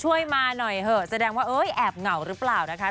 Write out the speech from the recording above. มาหน่อยเถอะแสดงว่าเอ้ยแอบเหงาหรือเปล่านะคะ